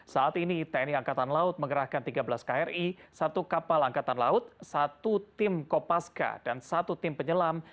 saat ini tni angkatan laut mengerahkan tiga belas kri satu kapal angkatan laut satu tim kopaska dan satu tim penyelam